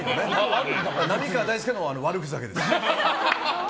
浪川大輔の悪口だけです。